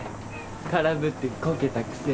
空振ってコケたくせに。